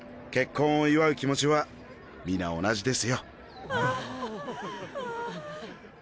結婚を祝う気持ちは皆同じですよ。